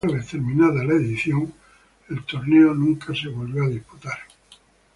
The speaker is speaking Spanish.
Una vez terminada la edición, el torneo nunca volvió a ser disputado.